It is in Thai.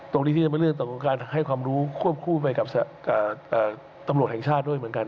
ตรงนี้ที่จะเป็นเรื่องของการให้ความรู้ควบคู่ไปกับตำรวจแห่งชาติด้วยเหมือนกัน